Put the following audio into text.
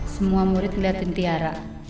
semua murid melihatin tiara